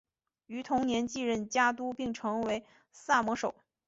于同年继任家督并成为萨摩守。